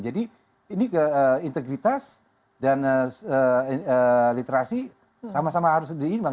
jadi integritas dan literasi sama sama harus diimbang